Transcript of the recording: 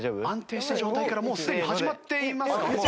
安定した状態からもうすでに始まっていますか？